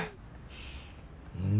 うん。